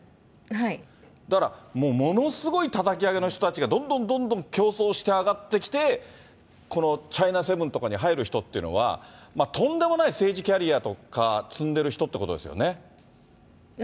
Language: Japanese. だから、ものすごいたたき上げの人たちがどんどんどんどん競争して上がってきて、このチャイナセブンとかに入る人っていうのは、とんでもない政治キャリアとか積んでる人ってことですよね。